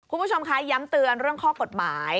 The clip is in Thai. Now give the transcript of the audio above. คุณผู้ชมคะย้ำเตือนเรื่องข้อกฎหมาย